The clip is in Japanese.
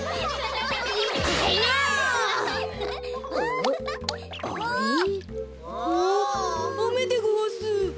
あっあめでごわす。